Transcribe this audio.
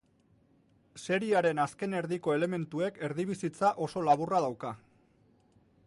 Seriearen azken erdiko elementuek erdibizitza oso laburra dauka.